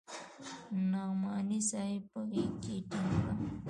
نعماني صاحب په غېږ کښې ټينګ کړم.